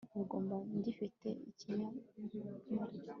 Ubwo mba ngifite ikimpumuriza